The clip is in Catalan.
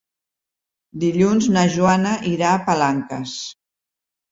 Dilluns na Joana irà a Palanques.